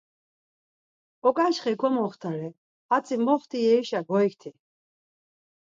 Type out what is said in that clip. Oǩaçxe komoxtare, hatzi moxti yerişa goikti.